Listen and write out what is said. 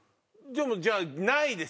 じゃあないです